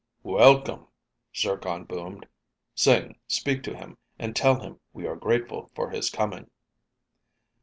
"Welcome," Zircon boomed. "Sing, speak to him and tell him we are grateful for his coming."